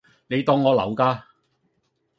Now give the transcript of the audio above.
你當我流㗎